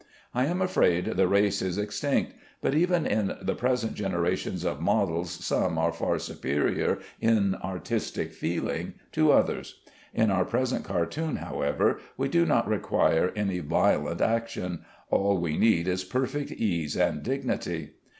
I am afraid the race is extinct, but even in the present generations of models some are far superior in artistic feeling to others. In our present cartoon, however, we do not require any violent action; all we need is perfect ease and dignity.